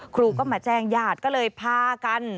ครูก็มาแจ้งญาติก็เลยพากัน